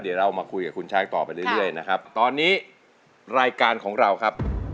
เดี๋ยวเรามาคุยกับคุณช้างต่อไปเรื่อยนะครับตอนนี้รายการของเราครับ